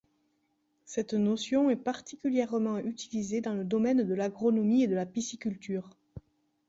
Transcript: Cette notion est particulièrement utilisée dans le domaine de l'agronomie et de la pisciculture.